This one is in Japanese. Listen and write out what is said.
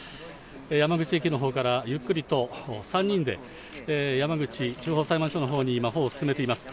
山口駅のほうからゆっくりと３人で、山口地方裁判所のほうに歩を進めています。